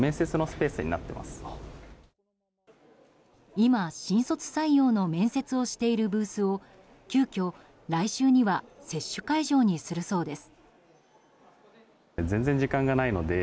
今、新卒採用の面接をしているブースを急きょ、来週には接種会場にするそうです。